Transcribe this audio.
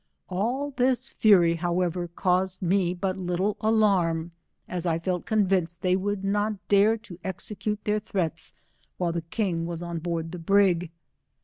All this fury, however, caused me but little alarm, as I felt convinced they would not dare to execute their threats while the king was on board the brig.